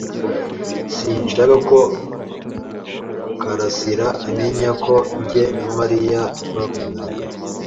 Sinshaka ko Karasiraamenya ko njye na Mariya twakundanye.